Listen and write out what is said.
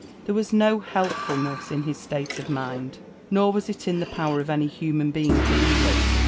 There was no healihCulil^ss tn this state otVnitid ; not was it fn |fcd power of any human being to heal it.